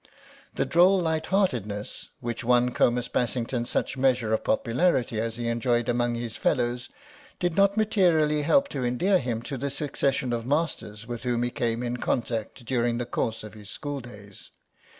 The droll lightheartedness which won Comus Bassington such measure of popularity as he enjoyed among his fellows did not materially help to endear him to the succession of masters with whom he came in contact during the course of his schooldays.